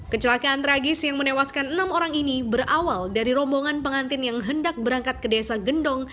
kecelakaan tragis yang menewaskan enam orang ini berawal dari rombongan pengantin yang hendak berangkat ke desa gendong